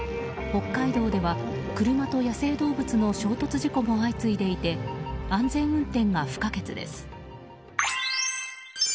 北海道では車と野生動物の衝突事故も相次いでいて安全運転が不可欠です。